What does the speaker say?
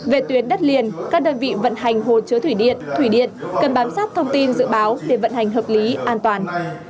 về tuyến đất liền các đơn vị vận hành hồ chứa thủy điện thủy điện cần bám sát thông tin dự báo để vận hành hợp lý an toàn